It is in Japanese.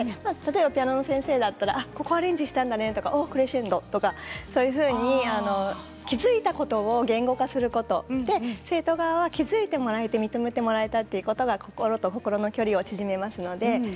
ピアノの先生だったらここをアレンジしたりねクレッシェンドとか気付いたことを言語化すること生徒側は気付いてもらえて認めてもらえたということが心の距離を縮めます。